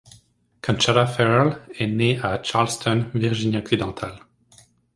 Conchata Ferrell est née à Charleston, Virginie-Occidentale.